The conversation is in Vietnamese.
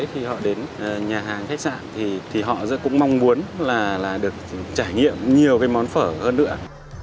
khi họ đến nhà hàng khách sạn thì họ rất cũng mong muốn là được trải nghiệm nhiều cái món phở hơn nữa